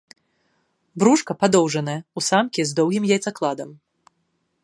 Брушка падоўжанае, у самкі з доўгім яйцакладам.